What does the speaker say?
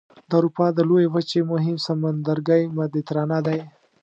د اروپا د لویې وچې مهم سمندرګی مدیترانه دی.